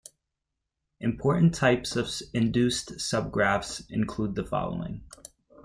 Important types of induced subgraphs include the following.